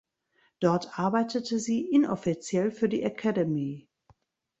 Dort arbeitete sie inoffiziell für die Academy.